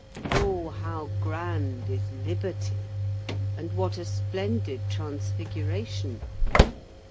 Oh! how grand is liberty! And what a splendid transfiguration!